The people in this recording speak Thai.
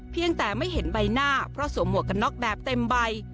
เพียงแต่ไม่เห็นใบหน้าเพราะสวมหมวกกันน็อกแบบเต็มใบ